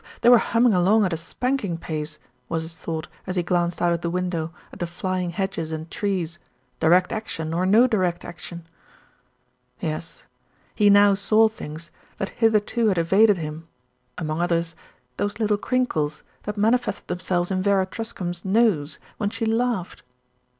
They were humming along at a spanking pace, was his thought as he glanced out of the window at^ the flying hedges and trees, Direct Action or no Direct Action. Yes, he now saw things that hitherto had evaded him, among others those little crinkles that manifested themselves in Vera Truscombe's nose when she laughed.